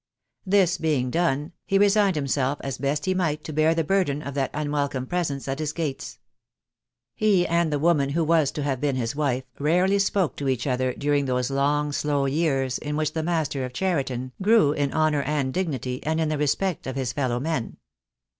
This being done, he resigned himself as best he might THE DAY WILL COME. 245 to bear the burden of that unwelcome presence at his gates. He and the woman who was to have been his wife rarely spoke to each other during those long slow years in which the master of Cheriton grew in honour and dignity and in the respect of his fellow men.